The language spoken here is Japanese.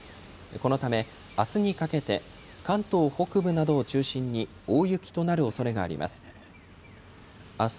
このため、あすにかけて関東北部などを中心に大雪となるおそれがあります。